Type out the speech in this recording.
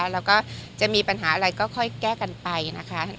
แล้วก็จะมีปัญหาอะไรก็ค่อยแก้กันไปนะคะ